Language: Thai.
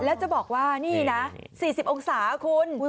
แล้วจะบอกว่านี่นะ๔๐องศาคุณ